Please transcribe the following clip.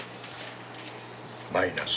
マイナス。